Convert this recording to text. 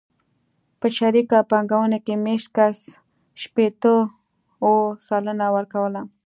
په شریکه پانګونه کې مېشت کس شپېته اووه سلنه ورکوله.